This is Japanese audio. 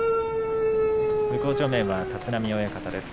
向正面は立浪親方です。